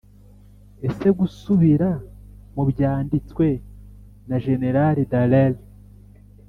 ese gusubira mu byanditswe na jenerali dallaire